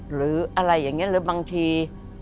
หรืออะไรอย่างนี้หรือบางที